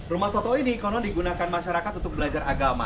rumah soto ini konon digunakan masyarakat untuk belajar agama